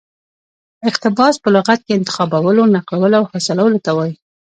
اقتباس په لغت کښي انتخابولو، نقلولو او حاصلولو ته وايي.